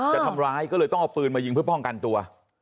จะทำร้ายก็เลยต้องเอาปืนมายิงเพื่อป้องกันตัว